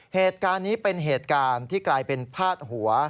เหตุการณ์นี้เป็นเหตุการณ์ที่กลายเป็นพาดหัว